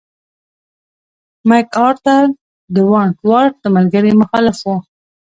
مک ارتر د ونټ ورت د ملګرو مخالف و.